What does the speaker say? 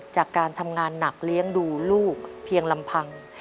จากการทำงานหนักเลี้ยงดูลูกเพียงลำพัง